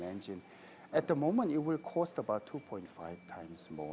pada saat ini akan berharga sekitar dua lima kali lebih